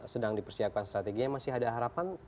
sedang dipersiapkan strateginya masih ada harapan